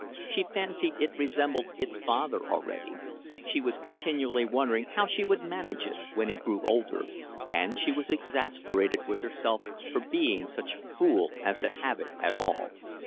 She fancied it resembled its father already. She was continually wondering how she would manage when it grew older; and she was exasperated with herself for being such a fool as to have it at all.